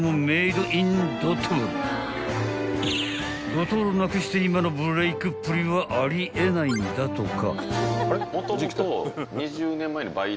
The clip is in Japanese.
［ドトールなくして今のブレークっぷりはあり得ないんだとか］